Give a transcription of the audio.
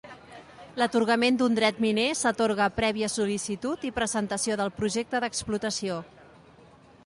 L'atorgament d'un dret miner s'atorga prèvia sol·licitud i presentació del projecte d'explotació.